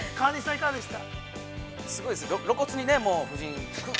いかがでした？